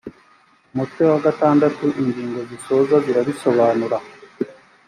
umutwe wa gatandatu ingingo zisoza zirabisobanura